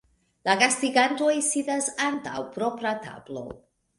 La gastigantoj sidas antaŭ propra tablo.